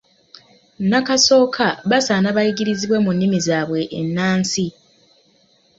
Nnakasooka basaana bayigiririzibwe mu nnimi zaabwe ennansi.